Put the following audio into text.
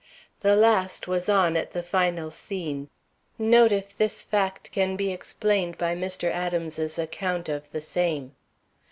The last was on at the final scene. Note if this fact can be explained by Mr. Adams's account of the same.